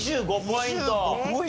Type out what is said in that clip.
２５ポイント？